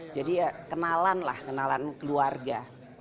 jadi kenalan lah kenalan keluarga